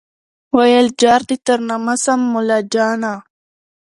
ویل جار دي تر نامه سم مُلاجانه